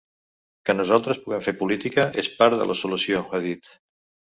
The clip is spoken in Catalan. Que nosaltres puguem fer política és part de la solució, ha dit.